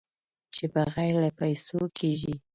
چې بغیر له پېسو کېږي.